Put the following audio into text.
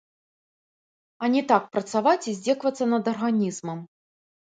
А не так працаваць і здзекавацца над арганізмам.